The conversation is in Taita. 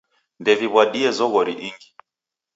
Ndeviw'adie zoghori ingi.